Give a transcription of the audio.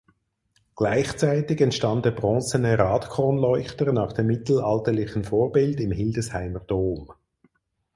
Gleichzeitig entstand der bronzene Radkronleuchter nach dem mittelalterlichen Vorbild im Hildesheimer Dom.